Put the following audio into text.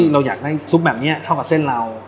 เราอยากได้ซุปแบบนี้เท่ากับเส้นเรา